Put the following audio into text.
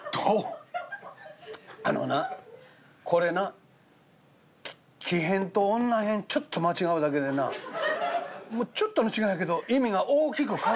あのなこれな木偏と女偏ちょっと間違うだけでなちょっとの違いやけど意味が大きく変わるなあ。